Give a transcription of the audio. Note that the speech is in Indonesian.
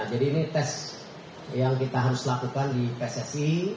jadi ini tes yang kita harus lakukan di pssi